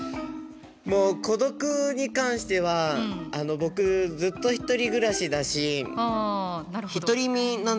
もう孤独に関しては僕ずっと１人暮らしだし独り身なんですよね。